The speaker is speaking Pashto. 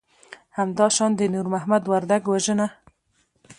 همدا شان د نور محمد وردک وژنه